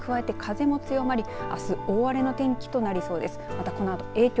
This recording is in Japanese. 加えて風も強まりあす大荒れの天気となりそうです。